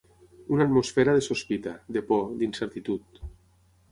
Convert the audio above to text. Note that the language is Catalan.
Una atmosfera de sospita, de por, d'incertitud